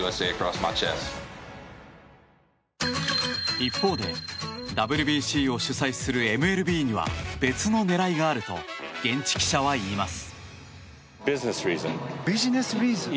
一方で、ＷＢＣを主催するＭＬＢには別の狙いがあると現地記者は言います。